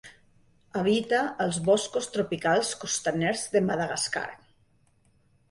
Habita als boscos tropicals costaners de Madagascar.